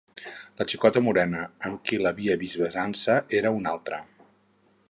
La xicota morena amb qui l'havia vist besant-se era una altra.